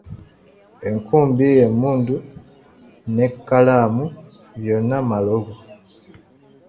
Enkumbi, emmundu n’ekkalaamu byonna malobo.